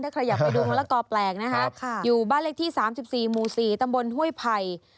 ถ้าใครอยากไปดูมะละกอแปลกนะคะอยู่บ้านเลขที่๓๔หมู่๔ตำบลห้วยไผ่